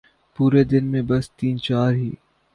پورے دن میں بس تین چار ہی ۔